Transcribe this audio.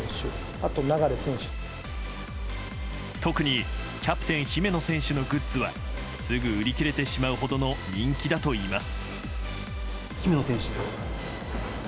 あと、流選手。特にキャプテン姫野選手のグッズはすぐ売り切れてしまうほどの人気だといいます。